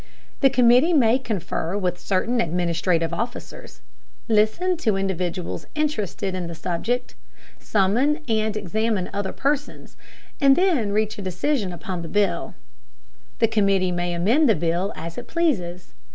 The committee may confer with certain administrative officers, listen to individuals interested in the subject, summon and examine other persons, and then reach a decision upon the bill. The committee may amend the bill as it pleases.